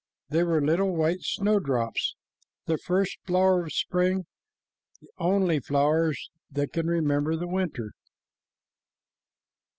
They were little white snowdrops, the first flowers of spring, the only flowers that can remember the winter.